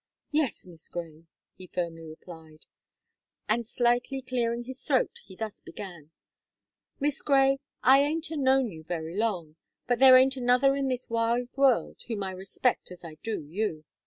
"Yes, Miss Gray," he firmly replied; and, slightly clearing his throat, he thus began: "Miss Gray, I aint a known you very long; but there aint another in this wide world whom I respect as I do you.